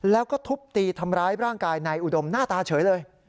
แล้วก็ทุบตีทำร้ายร่างกายนายอุดมหน้าตาเฉยเลย